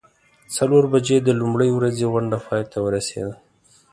څلور بجې د لومړۍ ورځې غونډه پای ته ورسیده.